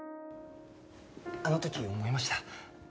あの時思いました。